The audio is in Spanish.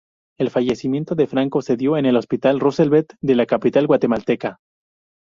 El fallecimiento de Franco se dio en el Hospital Roosevelt de la capital guatemalteca.